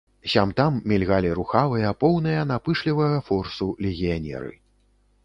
Сям-там мільгалі рухавыя, поўныя напышлівага форсу легіянеры.